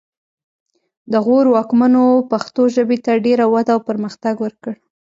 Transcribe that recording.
د غور واکمنو پښتو ژبې ته ډېره وده او پرمختګ ورکړ